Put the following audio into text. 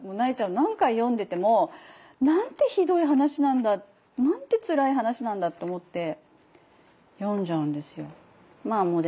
何回読んでてもなんてひどい話なんだなんてつらい話なんだって思って読んじゃうんですよ。